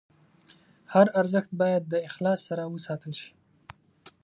هر ارزښت باید د اخلاص سره وساتل شي.